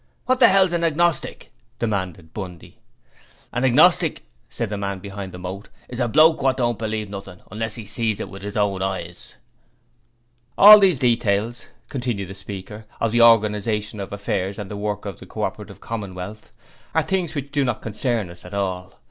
'What the 'ell's an agnostic?' demanded Bundy. 'An agnostic,' said the man behind the moat, 'is a bloke wot don't believe nothing unless 'e see it with 'is own eyes.' 'All these details,' continued the speaker, 'of the organization of affairs and the work of the Co operative Commonwealth, are things which do not concern us at all.